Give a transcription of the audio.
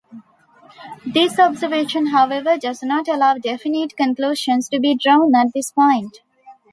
This observation however does not allow definite conclusions to be drawn at this point.